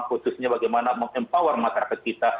khususnya bagaimana memempower masyarakat kita